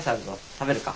食べるか？